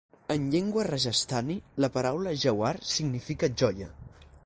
En llengua rajasthani, la paraula "jauhar" significa "joia".